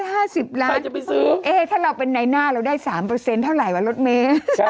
๓๕๐ล้านใครจะไปซื้อเอ๊ะถ้าเราเป็นไหนหน้าเราได้๓เท่าไหร่วะรถเมล์